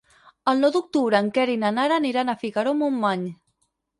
El nou d'octubre en Quer i na Nara aniran a Figaró-Montmany.